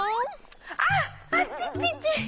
あっあっちちち！